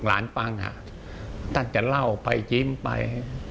พ่อมานั่งคุยให้ลูกหลานฟังท่านจะเล่าไปยิ้มไป